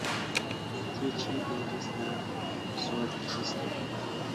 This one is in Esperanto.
Tie ĉi loĝas la sorĉisto.